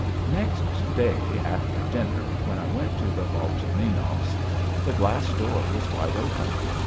Next day after dinner when I went to the Volchaninovs', the glass door was wide open.